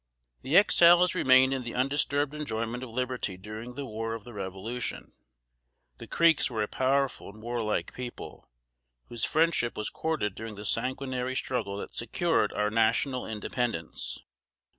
The Exiles remained in the undisturbed enjoyment of liberty during the war of the Revolution. The Creeks were a powerful and warlike people, whose friendship was courted during the sanguinary struggle that secured our National Independence.